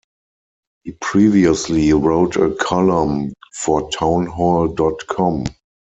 He previously wrote a column for Townhall dot com.